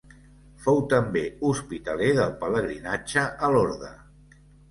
Fou també hospitaler del pelegrinatge a Lorda.